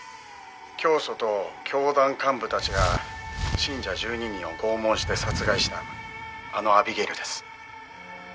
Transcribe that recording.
「教祖と教団幹部たちが信者１２人を拷問して殺害したあのアビゲイルです」